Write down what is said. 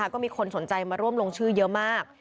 ก็มีคนสนใจมาร่วมลงชื่อเยอะมาก